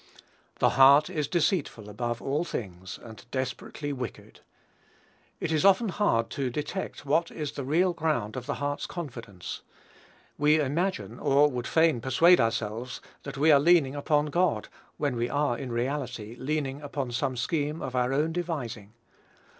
"The heart is deceitful above all things, and desperately wicked." It is often hard to detect what is the real ground of the heart's confidence. We imagine, or would fain persuade ourselves, that we are leaning upon God, when we are in reality leaning upon some scheme of our own devising.